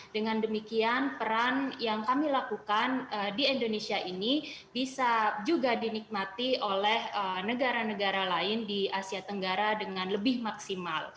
dengan demikian peran yang kami lakukan di indonesia ini bisa juga dinikmati oleh negara negara lain di asia tenggara dengan lebih maksimal